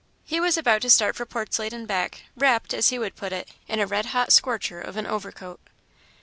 He was about to start for Portslade and back, wrapped, as he would put it, in a red hot scorcher of an overcoat.